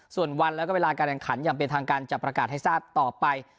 ส่วนวันแล้วก็เวลาการแข่งขันอย่างเป็นทางการจะประกาศให้ทราบต่อไป